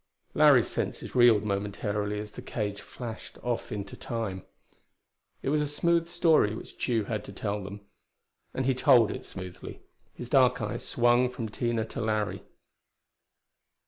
Larry's senses reeled momentarily as the cage flashed off into Time. It was a smooth story which Tugh had to tell them; and he told it smoothly. His dark eyes swung from Tina to Larry.